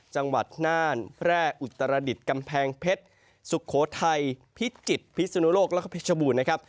จังหวัดน่านแพร่อุตรดิษฐ์กำแพงเพชรสุโขทัยพิจิตรพิสุนุโลกแล้วก็เพชรบูรณ์นะครับ